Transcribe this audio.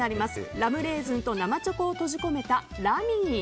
ラムレーズンと生チョコを閉じ込めたラミー。